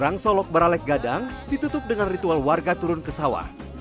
perang solok baralek gadang ditutup dengan ritual warga turun ke sawah